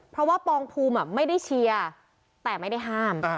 เพราะว่าปองภูมิไม่ได้เชียร์แต่ไม่ได้ห้าม